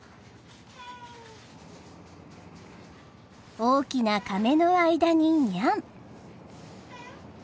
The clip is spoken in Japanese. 大きなかめの間にニャン。